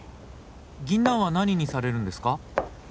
ギンナンは何にされるんですか？